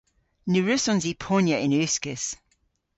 Ny wrussons i ponya yn uskis.